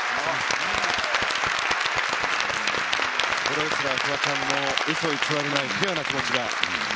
プロレスラー、フワちゃんのうそ偽りのないピュアな気持ちが。